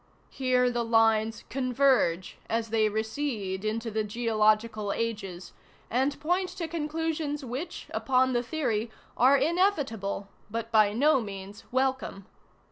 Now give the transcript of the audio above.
Here the lines converge as they recede into the geological ages, and point to conclusions which, upon the theory, are inevitable, but by no means welcome.